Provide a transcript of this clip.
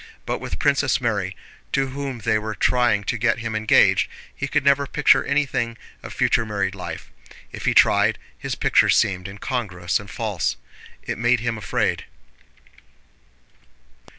But with Princess Mary, to whom they were trying to get him engaged, he could never picture anything of future married life. If he tried, his pictures seemed incongruous and false. It made him afraid.